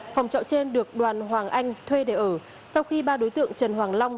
phòng trọ trên được đoàn hoàng anh thuê để ở sau khi ba đối tượng trần hoàng long